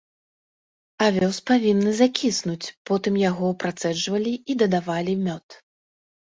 Авёс павінны закіснуць, потым яго працэджвалі і дадавалі мёд.